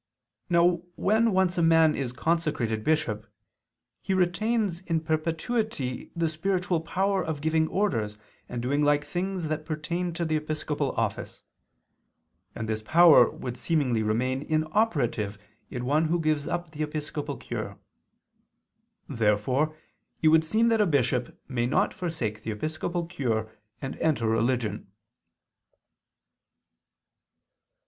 Now when once a man is consecrated bishop he retains in perpetuity the spiritual power of giving orders and doing like things that pertain to the episcopal office: and this power would seemingly remain inoperative in one who gives up the episcopal cure. Therefore it would seem that a bishop may not forsake the episcopal cure and enter religion.